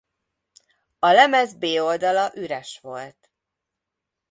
A lemez B oldala üres volt.